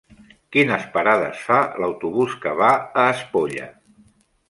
Quines parades fa l'autobús que va a Espolla?